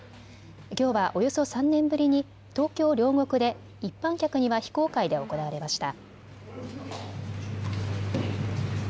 きょうはおよそ３年ぶりに東京両国で一般客には非公開で行われました。